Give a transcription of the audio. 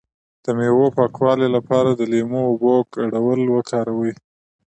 د میوو د پاکوالي لپاره د لیمو او اوبو ګډول وکاروئ